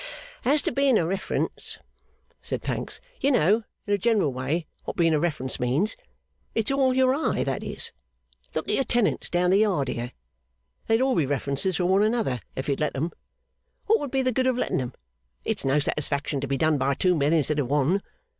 'As to being a reference,' said Pancks, 'you know, in a general way, what being a reference means. It's all your eye, that is! Look at your tenants down the Yard here. They'd all be references for one another, if you'd let 'em. What would be the good of letting 'em? It's no satisfaction to be done by two men instead of one.